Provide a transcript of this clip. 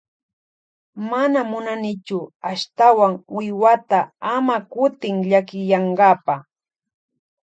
Mana munanichu ashtawan wiwata ama kutin llakiyankapa.